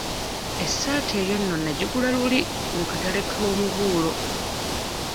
Essaati eyo nno nagigula luli mu katale k'omubuulo.